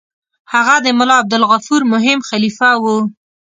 هغه د ملا عبدالغفور مهم خلیفه وو.